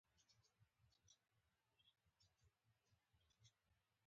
پر مېړه یو کال خواري وي ، پر سپي سړي تل تر تله .